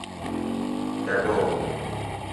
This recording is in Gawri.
کٹو